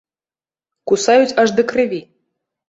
Кусаюць аж да крыві.